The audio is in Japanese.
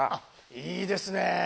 いいですね。